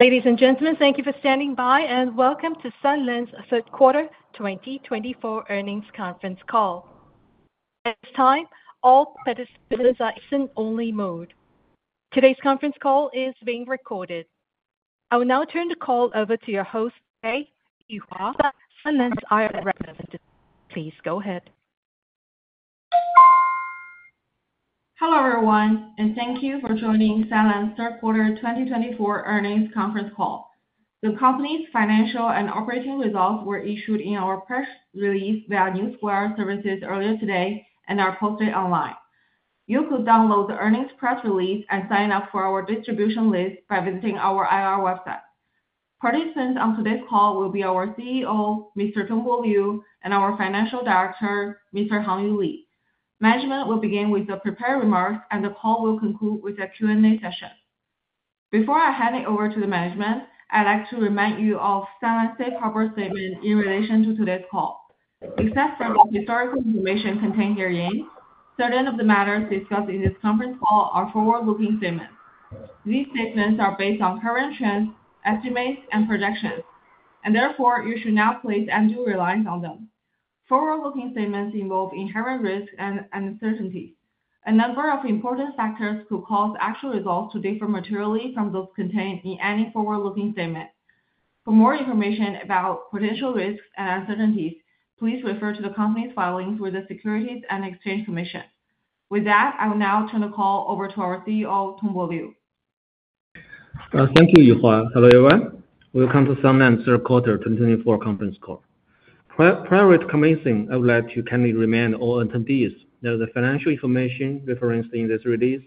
Ladies and gentlemen, thank you for standing by, and welcome to Sunlands' Q3 2024 earnings conference call. At this time, all participants are in listen-only mode. Today's conference call is being recorded. I will now turn the call over to your host today, Yuhua. Sunlands' IR Representative. Please go ahead. Hello everyone, and thank you for joining Sunlands' Q3 2024 earnings conference call. The company's financial and operating results were issued in our press release vianewswire services earlier today and are posted online. You could download the earnings press release and sign up for our distribution list by visiting our IR website. Participants on today's call will be our CEO, Mr. Tongbo Liu, and our Financial Director, Mr. Hangyu Li. Management will begin with the prepared remarks, and the call will conclude with a Q&A session. Before I hand it over to the management, I'd like to remind you of Sunlands' safe harbor statement in relation to today's call. Except for the historical information contained herein, certain of the matters discussed in this conference call are forward-looking statements. These statements are based on current trends, estimates, and projections, and therefore you should not place undue reliance on them. Forward-looking statements involve inherent risks and uncertainties. A number of important factors could cause actual results to differ materially from those contained in any forward-looking statement. For more information about potential risks and uncertainties, please refer to the company's filings with the Securities and Exchange Commission. With that, I will now turn the call over to our CEO, Tongbo Liu. Thank you, Yuhua. Hello everyone. Welcome to Sunlands' Q3 2024 conference call. Prior to commencing, I would like to kindly remind all attendees that the financial information referenced in this release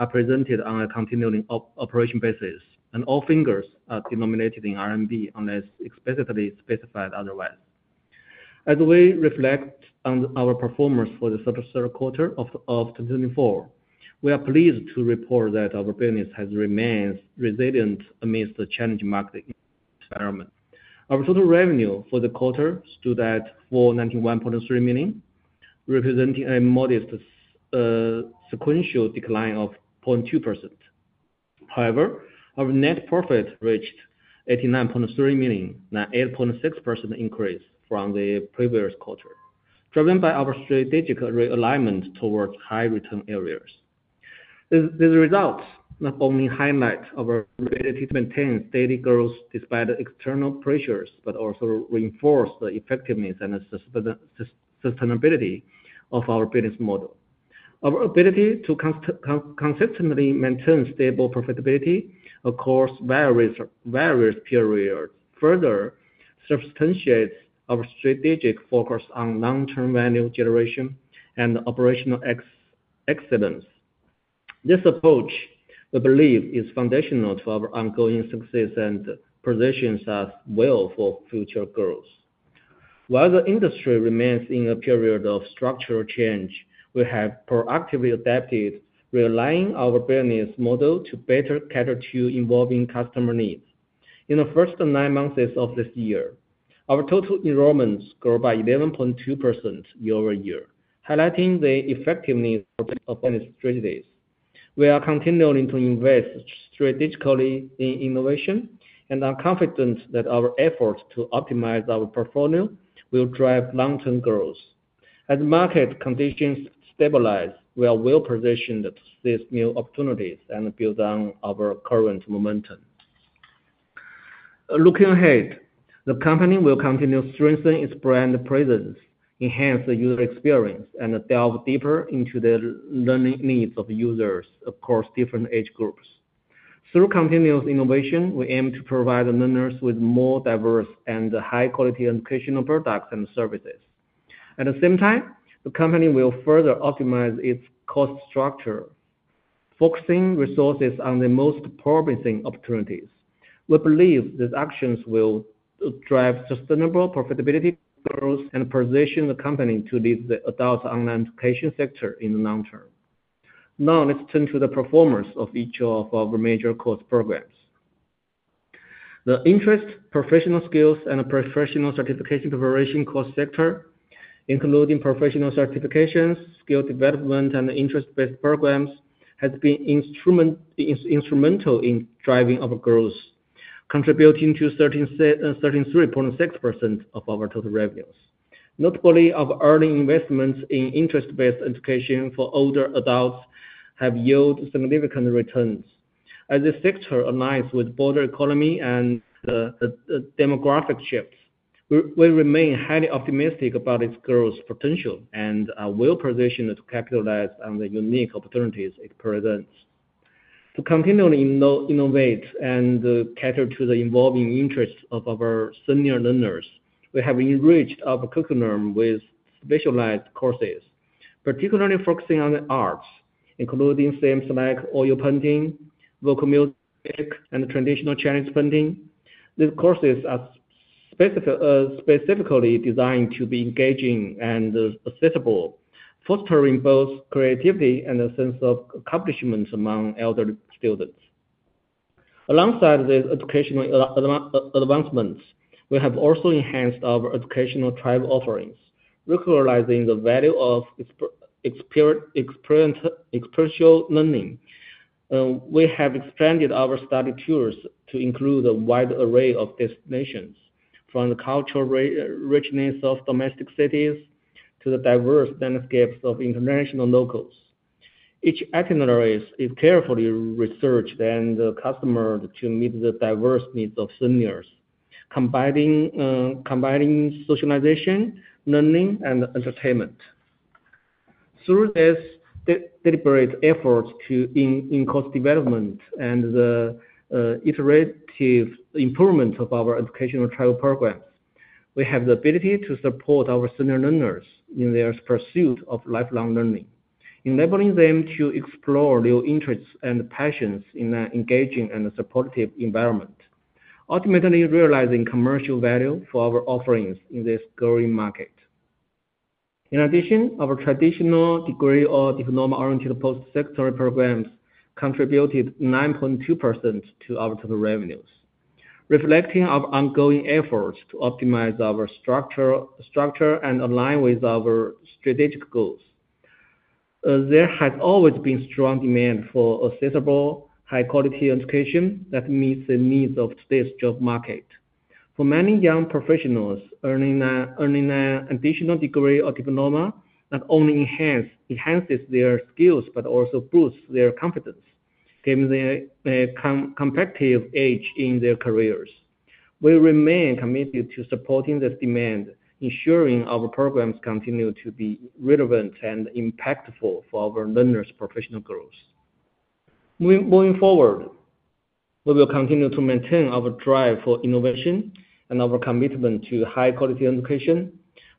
is presented on a continuing operation basis, and all figures are denominated in RMB unless explicitly specified otherwise. As we reflect on our performance for the Q3 of 2024, we are pleased to report that our business has remained resilient amidst the challenging market environment. Our total revenue for the quarter stood at 491.3 million, representing a modest sequential decline of 0.2%. However, our net profit reached 89.3 million, an 8.6% increase from the previous quarter, driven by our strategic realignment towards high return areas. These results not only highlight our ability to maintain steady growth despite external pressures but also reinforce the effectiveness and sustainability of our business model. Our ability to consistently maintain stable profitability across various periods further substantiates our strategic focus on long-term revenue generation and operational excellence. This approach, we believe, is foundational to our ongoing success and positions us well for future growth. While the industry remains in a period of structural change, we have proactively adapted, relying on our business model to better cater to evolving customer needs. In the first nine months of this year, our total enrollments grew by 11.2% year-over-year, highlighting the effectiveness of our business strategies. We are continuing to invest strategically in innovation and are confident that our efforts to optimize our portfolio will drive long-term growth. As market conditions stabilize, we are well-positioned to seize new opportunities and build on our current momentum. Looking ahead, the company will continue to strengthen its brand presence, enhance the user experience, and delve deeper into the learning needs of users across different age groups. Through continuous innovation, we aim to provide learners with more diverse and high-quality educational products and services. At the same time, the company will further optimize its cost structure, focusing resources on the most promising opportunities. We believe these actions will drive sustainable profitability, growth, and position the company to lead the adult online education sector in the long term. Now, let's turn to the performance of each of our major course programs. The interest, professional skills, and professional certification preparation course sector, including professional certifications, skill development, and interest-based programs, has been instrumental in driving our growth, contributing to 33.6% of our total revenues. Notably, our early investments in interest-based education for older adults have yielded significant returns. As the sector aligns with the broader economy and demographic shifts, we remain highly optimistic about its growth potential and are well-positioned to capitalize on the unique opportunities it presents. To continually innovate and cater to the evolving interests of our senior learners, we have enriched our curriculum with specialized courses, particularly focusing on the arts, including themes like oil painting, vocal music, and traditional Chinese painting. These courses are specifically designed to be engaging and accessible, fostering both creativity and a sense of accomplishment among elderly students. Alongside these educational advancements, we have also enhanced our educational travel Each itinerary is carefully researched and customized to meet the diverse needs of seniors, combining socialization, learning, and entertainment. Through these deliberate efforts in course development and the iterative improvement of our educational travel programs, we have the ability to support our senior learners in their pursuit of lifelong learning, enabling them to explore their interests and passions in an engaging and supportive environment, ultimately realizing commercial value for our offerings in this growing market. In addition, our traditional degree or diploma-oriented post-secondary programs contributed 9.2% to our total revenues, reflecting our ongoing efforts to optimize our structure and align with our strategic goals. There has always been strong demand for accessible, high-quality education that meets the needs of today's job market. For many young professionals, earning an additional degree or diploma not only enhances their skills but also boosts their confidence, giving them a competitive edge in their careers. We remain committed to supporting this demand, ensuring our programs continue to be relevant and impactful for our learners' professional growth. Moving forward, we will continue to maintain our drive for innovation and our commitment to high-quality education.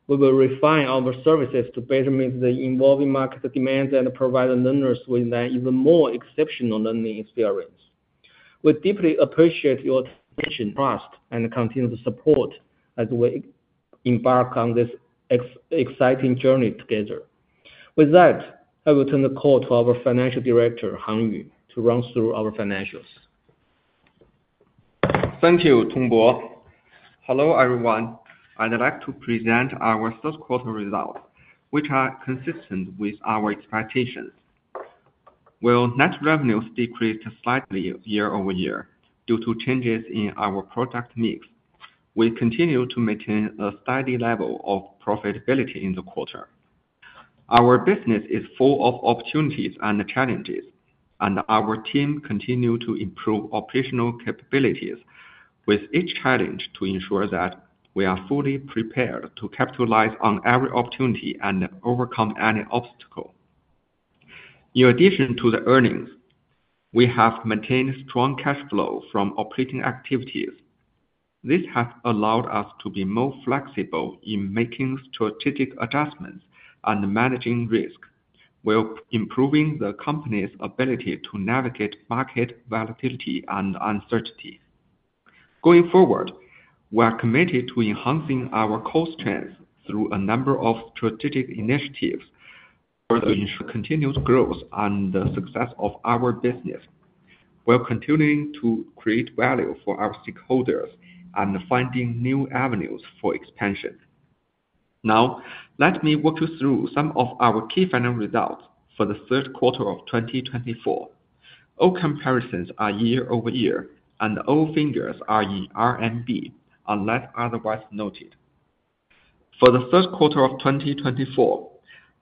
We will refine our services to better meet the evolving market demands and provide learners with an even more exceptional learning experience. We deeply appreciate your attention, trust, and continued support as we embark on this exciting journey together. With that, I will turn the call to our Financial Director, Hangyu Li, to run through our financials. Thank you, Tongbo Liu. Hello everyone. I'd like to present our Q3 results, which are consistent with our expectations. While net revenues decreased slightly year-over-year due to changes in our product mix, we continue to maintain a steady level of profitability in the quarter. Our business is full of opportunities and challenges, and our team continues to improve operational capabilities with each challenge to ensure that we are fully prepared to capitalize on every opportunity and overcome any obstacle. In addition to the earnings, we have maintained strong cash flow from operating activities. This has allowed us to be more flexible in making strategic adjustments and managing risk, while improving the company's ability to navigate market volatility and uncertainty. Going forward, we are committed to enhancing our core strengths through a number of strategic initiatives to further ensure continued growth and the success of our business, while continuing to create value for our stakeholders and finding new avenues for expansion. Now, let me walk you through some of our key financial results for the Q3 of 2024. All comparisons are year-over-year, and all figures are in RMB, unless otherwise noted. For the Q3 of 2024,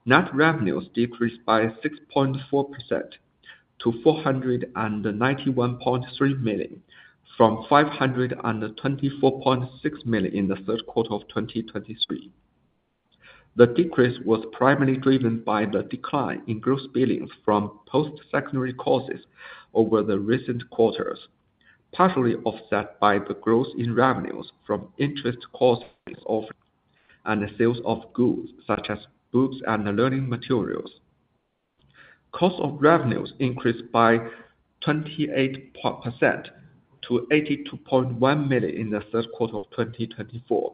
net revenues decreased by 6.4% to 491.3 million, from 524.6 million in the Q3 of 2023. The decrease was primarily driven by the decline in gross billings from post-secondary courses over the recent quarters, partially offset by the growth in revenues from interest-based programs and sales of goods such as books and learning materials. Cost of revenues increased by 28% to 82.1 million in the Q3 of 2024,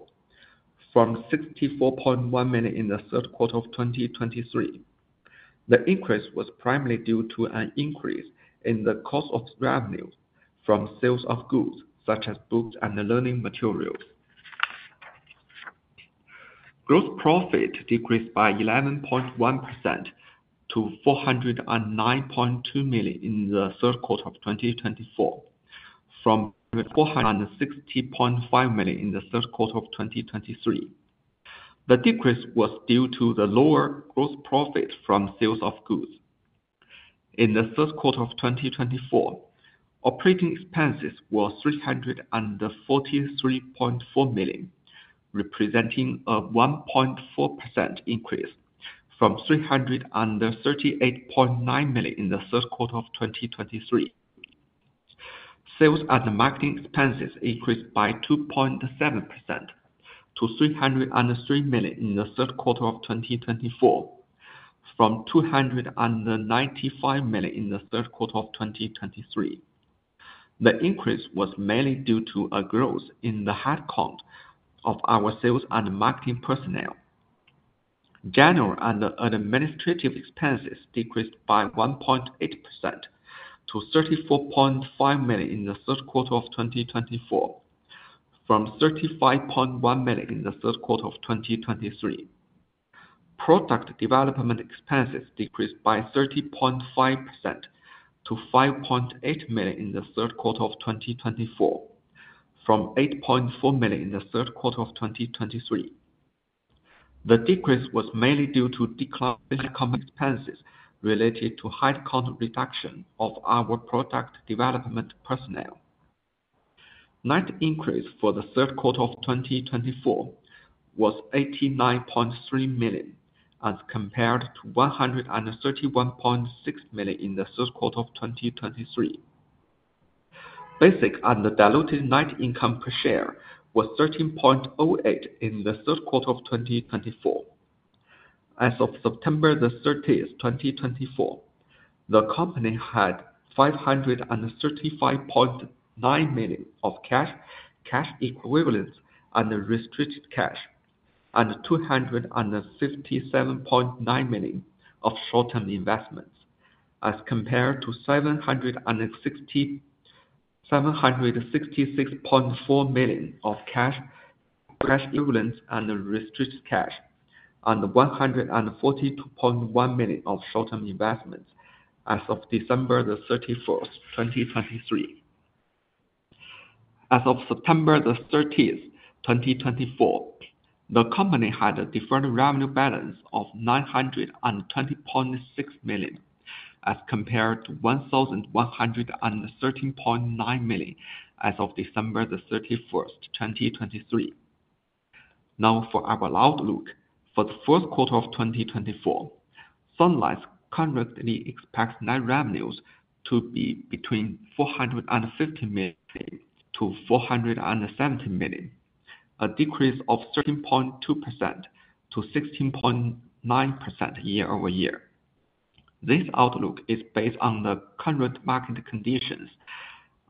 from 64.1 million in the Q3 of 2023. The increase was primarily due to an increase in the cost of revenues from sales of goods such as books and learning materials. Gross profit decreased by 11.1% to 409.2 million in the Q3 of 2024, from 460.5 million in the Q3 of 2023. The decrease was due to the lower gross profit from sales of goods. In the Q3 of 2024, operating expenses were 343.4 million, representing a 1.4% increase, from 338.9 million in the Q3 of 2023. Sales and marketing expenses increased by 2.7% to 303 million in the Q3 of 2024, from 295 million in the Q3 of 2023. The increase was mainly due to a growth in the headcount of our sales and marketing personnel. General and administrative expenses decreased by 1.8% to 34.5 million in the Q3 of 2024, from 35.1 million in the Q3 of 2023. Product development expenses decreased by 30.5% to 5.8 million in the Q3 of 2024, from 8.4 million in the Q3 of 2023. The decrease was mainly due to declining headcount expenses related to headcount reduction of our product development personnel. Net increase for the Q3 of 2024 was 89.3 million, as compared to 131.6 million in the Q3 of 2023. Basic and diluted net income per share was 13.08 in the Q3 of 2024. As of September 30, 2024, the company had 535.9 million of cash equivalents and restricted cash, and 257.9 million of short-term investments, as compared to RMB 766.4 million of cash equivalents and restricted cash, and 142.1 million of short-term investments as of December 31st, 2023. As of September 30th, 2024, the company had a deferred revenue balance of 920.6 million, as compared to 1,113.9 million as of December 31, 2023. Now, for our outlook for the Q4 of 2024, Sunlands currently expects net revenues to be between 450 million to 470 million, a decrease of 13.2%-16.9% year-over-year. This outlook is based on the current market conditions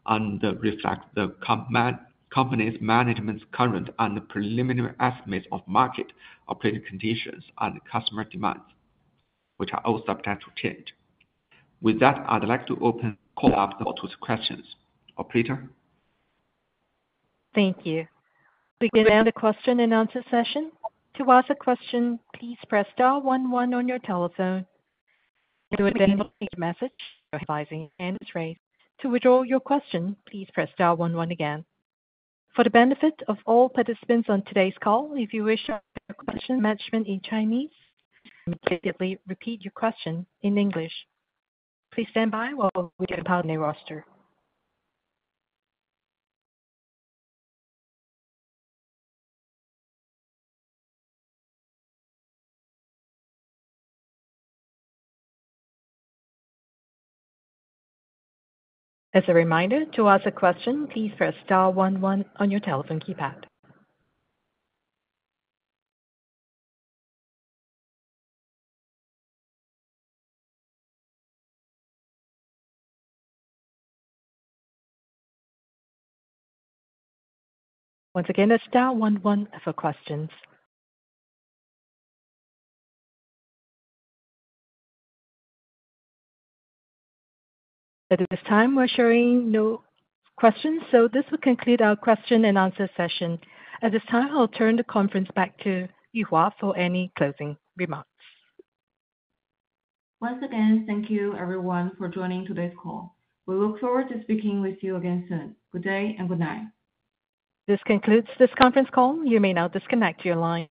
and reflects the company's management's current and preliminary estimates of market operating conditions and customer demands, which are all subject to change. With that, I'd like to open the call to the questions. Operator. Thank you. We'll begin the question and answer session. To ask a question, please press star 11 on your telephone. To hear a message advising hands raised. To withdraw your question, please press star 11 again. For the benefit of all participants on today's call, if you wish to ask a question in Chinese, management will immediately repeat your question in English. Please stand by while we get the participant roster. As a reminder, to ask a question, please press star 11 on your telephone keypad. Once again, that's star 11 for questions. At this time, we're showing no questions, so this will conclude our question and answer session. At this time, I'll turn the conference back to Yuhua for any closing remarks. Once again, thank you, everyone, for joining today's call. We look forward to speaking with you again soon. Good day and good night. This concludes this conference call. You may now disconnect your line.